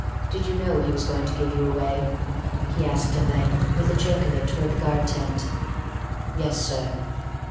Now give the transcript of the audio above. "Did you know he was going to give you away?" he asked at length, with a jerk of it toward the guard tent. "Yes, sir."